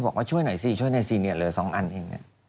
บอกว่าช่วยหน่อยสิช่วยหน่อยสิเนี่ยเหลือสองอันเองเนี่ย